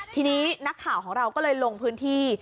ทีนี้นักข่าวของเราก็เลยลงพื้นที่